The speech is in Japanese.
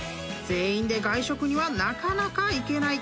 ［全員で外食にはなかなか行けない］